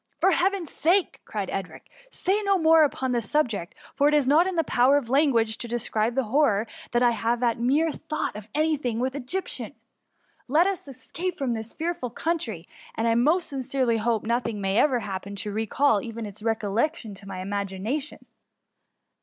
""." For Heaven's sake !" cried Edric, " say no more upon the subject, for it is not in the power of language to describe the horror I have at the THE MUMMY. S47 mere thought' of any tiling Egyptian. Let us escape from this fearful country, and I most sincerely hope nothing may ever happen to re call even its recollection to my imagination.